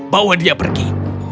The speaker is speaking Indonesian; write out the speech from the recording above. bawa dia pergi